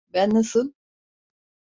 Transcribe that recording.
Ben nasıl…